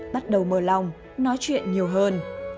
bắt đầu mờ lòng nói chuyện nhiều hơn